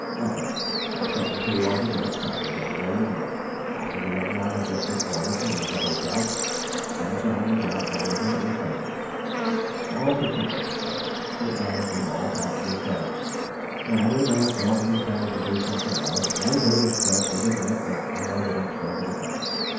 Nothing, except that he was a bit excited and no wonder, after the young man had just been ordered to leave the hotel. Then Sir Henry grabbed hold of him and he fainted or pretended to faint; it may have been all part of his game. Sir Henry may have thought he intended to do something or other, but no British judge would admit that as evidence for the defence.